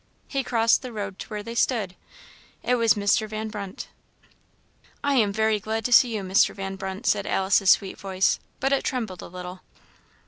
He crossed the road to where they stood. It was Mr. Van Brunt. "I am very glad to see you, Mr. Van Brunt." said Alice's sweet voice; but it trembled a little.